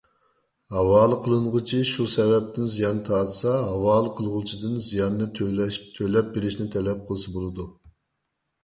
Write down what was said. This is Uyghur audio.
ھاۋالە قىلىنغۇچى شۇ سەۋەبتىن زىيان تارتسا، ھاۋالە قىلغۇچىدىن زىياننى تۆلەپ بېرىشنى تەلەپ قىلسا بولىدۇ.